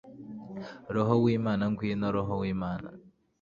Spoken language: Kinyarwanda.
r/ roho w'imana ngwino, roho w'imana